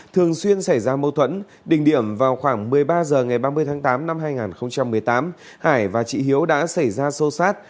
thường xuyên xảy ra mâu thuẫn đình điểm vào khoảng một mươi ba h ngày ba mươi tháng tám năm hai nghìn một mươi tám hải và chị hiếu đã xảy ra xô xát